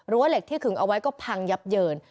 เหล็กที่ขึงเอาไว้ก็พังยับเยิน